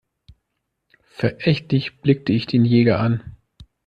Verächtlich blickte ich den Jäger an.